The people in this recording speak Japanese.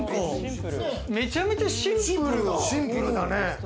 めちゃめちゃシンプルだ。